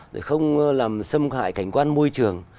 để không làm xâm hại cảnh quan môi trường